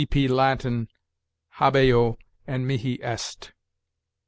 (Cp. Lat. 'habeo' and 'mihi est.')